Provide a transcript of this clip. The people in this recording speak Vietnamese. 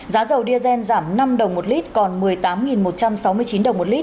giá dầu diazen giảm năm đồng một lit còn một mươi tám một trăm sáu mươi chín đồng một lit